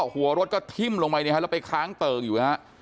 หัวรถก็ทิ้มลงไปเนี่ยฮะแล้วไปค้างเติ่งอยู่ฮะ